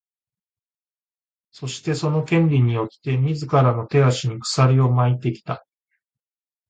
そして、その「権利」によって自らの手足に鎖を巻いてきた。